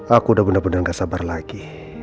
aku udah bener bener gak sabar lagi